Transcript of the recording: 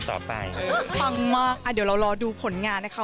ต่อไปฟังมากอ่ะเดี๋ยวเรารอดูผลงานนะคะ